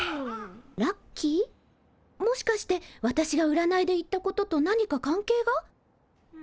もしかして私がうらないで言ったことと何か関係が？